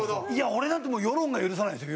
俺なんて世論が許さないですよ。